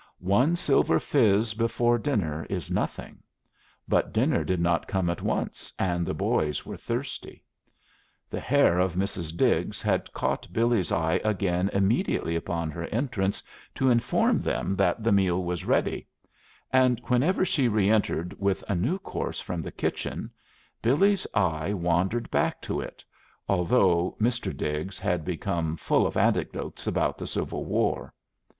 One silver fizz before dinner is nothing; but dinner did not come at once, and the boys were thirsty. The hair of Mrs. Diggs had caught Billy's eye again immediately upon her entrance to inform them that the meal was ready; and whenever she reentered with a new course from the kitchen, Billy's eye wandered back to it, although Mr. Diggs had become full of anecdotes about the Civil War.